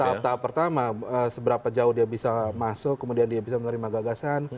tahap tahap pertama seberapa jauh dia bisa masuk kemudian dia bisa menerima gagasan